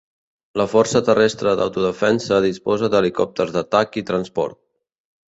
La força terrestre d'autodefensa disposa d'helicòpters d'atac i transport.